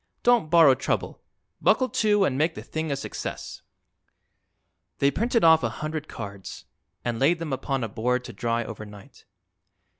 Don't borrow trouble. Buckle to, and make the thing a success." They printed off a hundred cards and laid them upon a board to dry overnight.